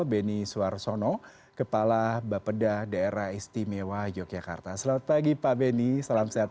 benny suwarsono kepala bapedah daerah istimewa yogyakarta selamat pagi pak benny salam sehat